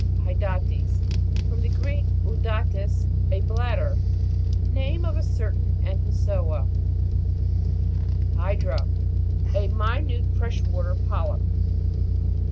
HYDA'TIDS. From the Greek, 'udatis, a bladder. Name of certain ento zoa. HY'DRA. A minute fresh water polyp.